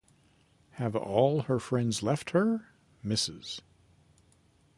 Have all her friends left her? Mrs.